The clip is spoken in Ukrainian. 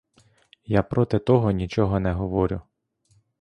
Я проти того нічого не говорю.